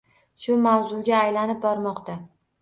Shu mavzuga aylanib bormoqda.